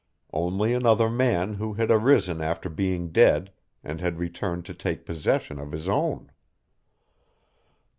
Only another man who had arisen after being dead and had returned to take possession of his own!